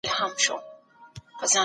د کالیو مینځونکی په خپلو سترګو داغ ولید.